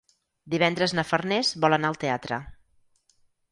Divendres na Farners vol anar al teatre.